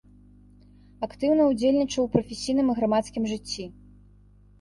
Актыўна ўдзельнічаў у прафесійным і грамадскім жыцці.